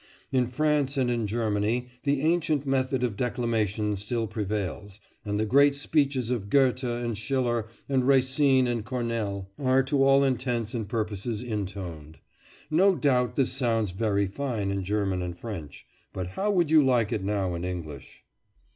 In France and in Germany the ancient method of declamation still prevails, and the great speeches of Goethe and Schiller and Racine and Corneille are to all intents and purposes intoned. No doubt this sounds very fine in German and French, but how would you like it now in English?